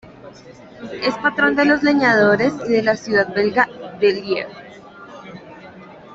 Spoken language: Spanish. Es patrón de los leñadores y de la ciudad belga de Lier.